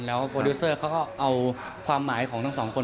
แล้วโปรดิวเซอร์เขาก็เอาความหมายของทั้งสองคน